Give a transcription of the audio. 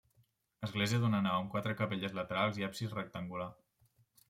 Església d'una nau amb quatre capelles laterals i absis rectangular.